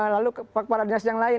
lalu kepala dinas yang lain